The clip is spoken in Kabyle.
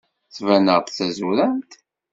Ttbaneɣ-d d tazurant?